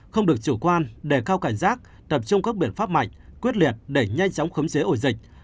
không được chủ quan đề cao cảnh giác tập trung các biện pháp mạnh quyết liệt để nhanh chóng khấm chế ổ dịch